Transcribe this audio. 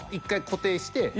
１回固定して。